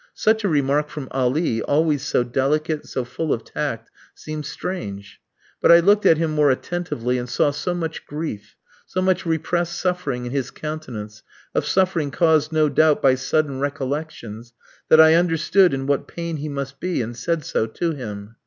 Such a remark from Ali, always so delicate, so full of tact, seemed strange. But I looked at him more attentively, and saw so much grief, so much repressed suffering in his countenance of suffering caused no doubt by sudden recollections that I understood in what pain he must be, and said so to him.